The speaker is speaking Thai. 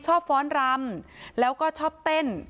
ฟ้อนรำแล้วก็ชอบเต้น